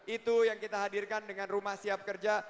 itu yang kita hadirkan dengan rumah siap kerja